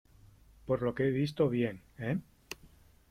por lo que he visto bien ,¿ eh ?